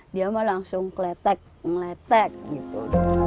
dia mah langsung kletek ngeletek gitu